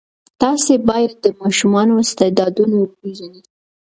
تاسې باید د ماشومانو استعدادونه وپېژنئ.